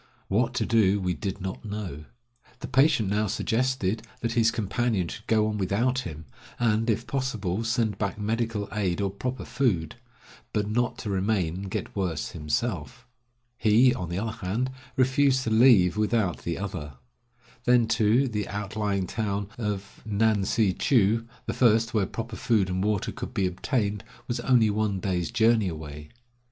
What to do we did not know. The patient now suggested that his companion should go on without him, and, if possible, send back medical aid or proper food; but not to remain and get worse himself. He, on the other hand, refused to leave without the other. Then too, the outlying town of Ngan si chou, the first where proper food and water could be obtained, was only one day's journey away.